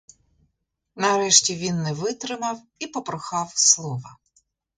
Нарешті він не витримав і попрохав слова.